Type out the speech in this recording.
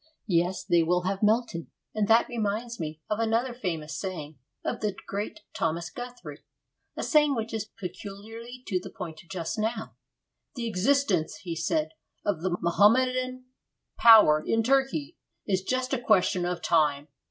Yes, they will have melted! And that reminds me of another famous saying of the great Dr Thomas Guthrie, a saying which is peculiarly to the point just now. 'The existence,' he said, 'of the Mohammedan power in Turkey is just a question of time.